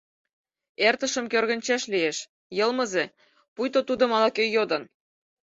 Эртышым кӧргынчеш лиеш, йылмызе, пуйто тудым ала-кӧ йодын.